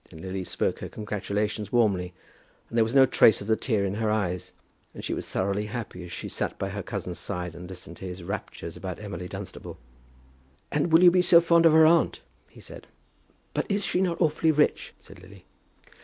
Then Lily spoke her congratulations warmly, and there was no trace of a tear in her eyes, and she was thoroughly happy as she sat by her cousin's side and listened to his raptures about Emily Dunstable. "And you will be so fond of her aunt," he said. "But is she not awfully rich?" said Lily.